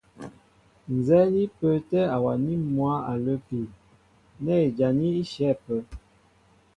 Ǹzɛ́ɛ́ ní pə́ə́tɛ̄ awaní mwǎ a lə́pi nɛ́ ijaní í shyɛ̌ ápə́.